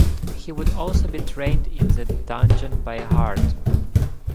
He would also be trained in the Dungeon by Hart.